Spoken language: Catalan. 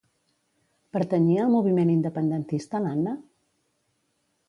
Pertanyia al moviment independentista l'Anna?